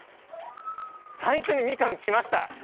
最初に、みかんきました。